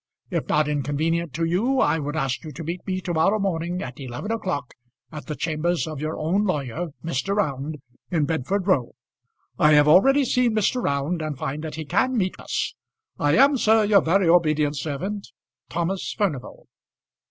If not inconvenient to you, I would ask you to meet me to morrow morning at eleven o'clock at the chambers of your own lawyer, Mr. Round, in Bedford Row. I have already seen Mr. Round, and find that he can meet us. I am, sir, Your very obedient servant, THOMAS FURNIVAL.